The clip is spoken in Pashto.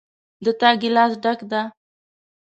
د تا ګلاس ډک ده